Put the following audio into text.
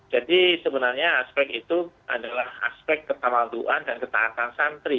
jadi sebenarnya aspek itu adalah aspek ketamaduan dan ketahatan santri